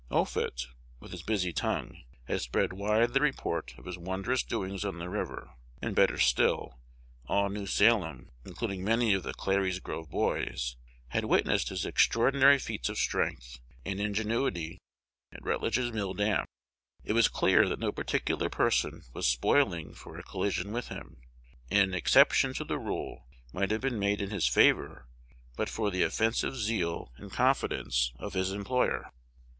Offutt, with his busy tongue, had spread wide the report of his wondrous doings on the river; and, better still, all New Salem, including many of the "Clary's Grove boys," had witnessed his extraordinary feats of strength and ingenuity at Rutledge's mill dam. It was clear that no particular person was "spoiling" for a collision with him; and an exception to the rule might have been made in his favor, but for the offensive zeal and confidence of his employer.